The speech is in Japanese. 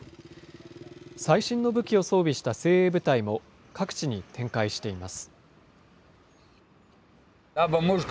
最新の武器を装備した精鋭部隊も各地に展開しています。